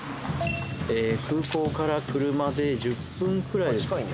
空港から車で１０分くらいですかね